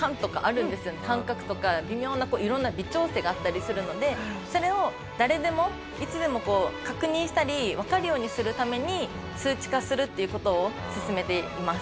感覚とか微妙ないろんな微調整があったりするのでそれを誰でもいつでもこう確認したりわかるようにするために数値化するっていう事を進めています。